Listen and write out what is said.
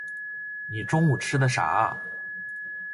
你中午吃的啥啊？